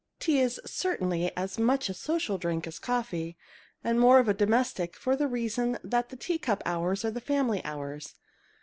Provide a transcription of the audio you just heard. Tea is certainly as much of a social drink as coffee, and more of a domestic, for the reason that the teacup hours are the family hours.